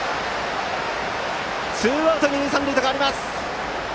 ツーアウト二塁三塁と変わります。